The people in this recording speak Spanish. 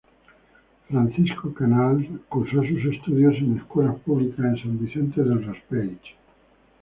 Francisco Canals, cursó sus estudios en escuelas públicas de San Vicente del Raspeig.